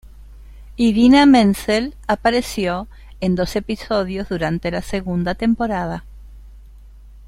Idina Menzel apareció en dos episodios durante la segunda temporada.